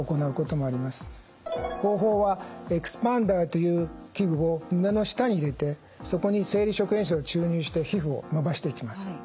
方法はエキスパンダーという器具を胸の下に入れてそこに生理食塩水を注入して皮膚を伸ばしていきます。